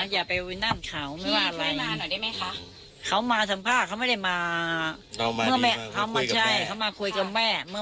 อย่าไปนั่นเขาไม่ว่าอะไรเขามาสัมภาษณ์เขาไม่ได้มาเขามาคุยกับแม่